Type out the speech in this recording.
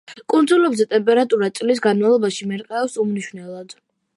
კუნძულებზე ტემპერატურა წლის განმავლობაში მერყეობს უმნიშვნელოდ.